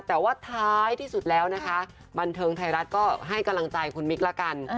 แต่ว่าท้ายที่สุดแล้วนะคะบันเทิงไทยรัฐก็ให้กำลังใจคุณมิกละกัน